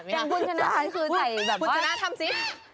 แต่คุณชนะก็คือคุณชนะทำซิ